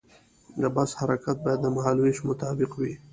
د بس حرکت باید د مهال ویش مطابق وي.